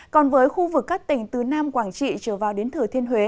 còn với khu vực các tỉnh từ nam quảng trị trở vào đến thừa thiên huế